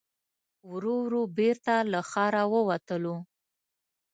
ورو ورو بېرته له ښاره ووتلو.